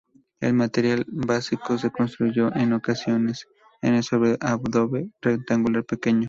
El material básico de construcción es el adobe rectangular pequeño.